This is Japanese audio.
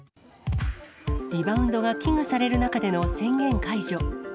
リバウンドが危惧される中での宣言解除。